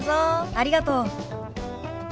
ありがとう。